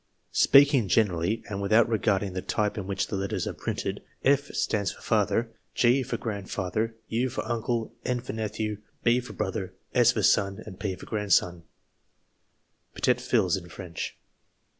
Speaking generally, and without regarding the type in NOTATION 45 which the letters are printed, F. stands for Father ; G. for Grandfather; U. for Uncle; N. for Nephew; B. for Brother ; S. for Son ; and P. for Grandson (Petit fils in French).